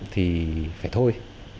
thì phải thôi